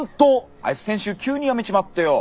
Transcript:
あいつ先週急に辞めちまってよォ。